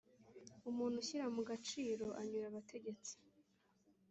umuntu ushyira mu gaciro anyura abategetsi.